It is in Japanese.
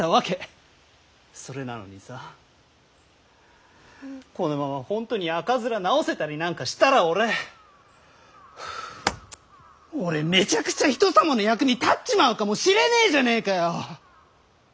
それなのにさこのまま本当に赤面治せたりなんかしたら俺俺めちゃくちゃ人様の役に立っちまうかもしれねえじゃねえかよ！